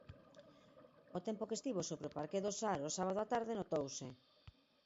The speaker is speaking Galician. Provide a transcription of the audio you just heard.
O tempo que estivo sobre o parqué do Sar o sábado á tarde notouse.